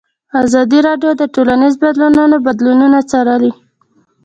ازادي راډیو د ټولنیز بدلون بدلونونه څارلي.